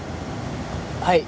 はい。